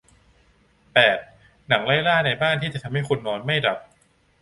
แปด หนังไล่ล่าในบ้านที่จะทำให้คุณนอนไม่หลับ